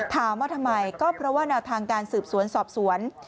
ถามว่าทำไมก็เพราะว่าแนวทางการสืบสวนสอบสวน